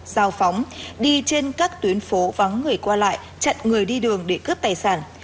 giao phóng đi trên các tuyến phố vắng người qua lại chặn người đi đường để cướp tài sản